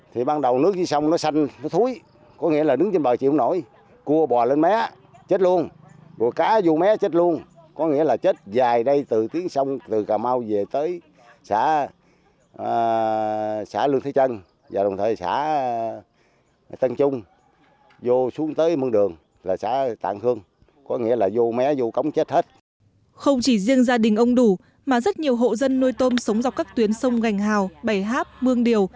không chỉ riêng gia đình ông đủ mà rất nhiều hộ dân nuôi tôm sống dọc các tuyến sông ngành hào bảy háp mương điều